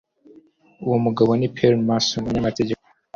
Uwo mugabo ni Perry Mason umunyamategeko